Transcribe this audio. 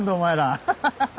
アハハハハ！